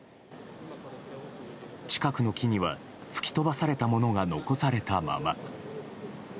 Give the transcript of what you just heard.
近くの木には吹き飛ばされたものが残されたまま。